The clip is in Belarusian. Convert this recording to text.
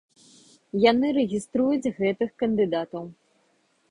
Яны рэгіструюць гэтых кандыдатаў.